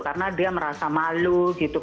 karena dia merasa malu gitu